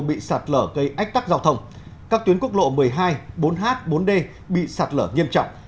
bị sạt lở gây ách tắc giao thông các tuyến quốc lộ một mươi hai bốn h bốn d bị sạt lở nghiêm trọng